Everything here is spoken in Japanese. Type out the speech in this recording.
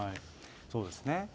そうですね。